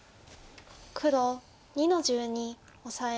黒２の十二オサエ。